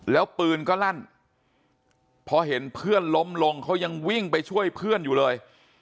แล้วปืนก็ลั่นพอเห็นเพื่อนล้มลงเขายังวิ่งไปช่วยเพื่อนอยู่เลย